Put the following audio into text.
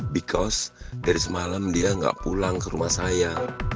because dari semalam dia gak pulang ke rumah saya